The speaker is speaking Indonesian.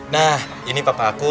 nah ini papa aku